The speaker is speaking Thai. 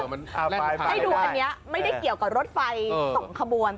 ให้ดูอันนี้ไม่ได้เกี่ยวกับรถไฟ๒ขบวน